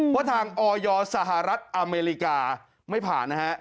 เพราะทางออยสหรัฐอเมริกาไม่ผ่านนะฮะ